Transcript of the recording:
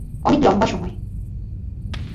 অনেক লম্বা সময়।